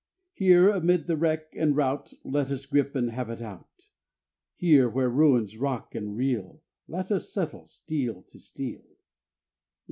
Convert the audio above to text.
Here amid the wreck and rout Let us grip and have it out! Here where ruins rock and reel Let us settle, steel to steel!